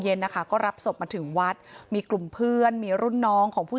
เย็นนะคะก็รับศพมาถึงวัดมีกลุ่มเพื่อนมีรุ่นน้องของผู้